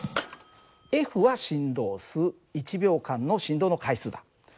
は振動数１秒間の振動の回数だ。